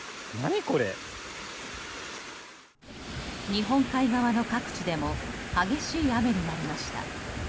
日本海側の各地でも激しい雨になりました。